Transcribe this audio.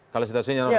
kalau situasinya normal